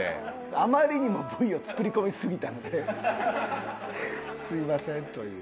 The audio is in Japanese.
あまりにもＶを作り込みすぎたのですいませんという。